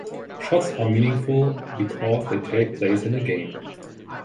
Shots are meaningful because they take place in a game.